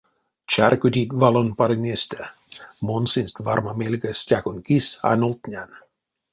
Чарькодить валон парынестэ, мон сынст варма мельга стяконь кис а нолдтнян.